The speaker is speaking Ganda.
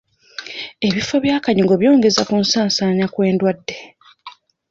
Ebifo eby'akanyigo byongeza ku kusaasaana kw'endwadde.